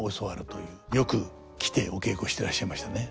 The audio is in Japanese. よく来てお稽古してらっしゃいましたね。